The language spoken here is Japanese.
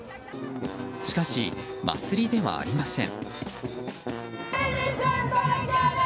しかし、祭りではありません。